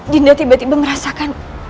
dinda tiba tiba merasakan